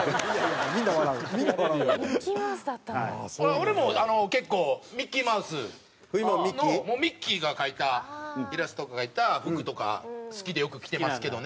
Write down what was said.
俺も結構ミッキーマウスのもうミッキーが描いたイラストとか描いた服とか好きでよく着てますけどね。